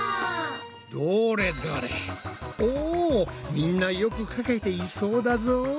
みんなよく描けていそうだぞ。